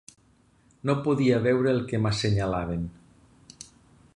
No podia veure el que m'assenyalaven